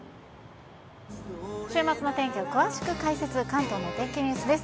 週末の天気を詳しく解説、関東のお天気ニュースです。